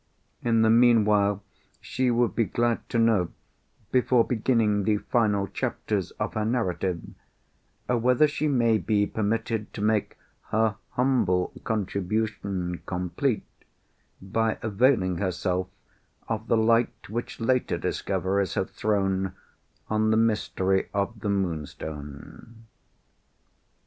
In the meanwhile she would be glad to know, before beginning the final chapters of her narrative, whether she may be permitted to make her humble contribution complete, by availing herself of the light which later discoveries have thrown on the mystery of the Moonstone."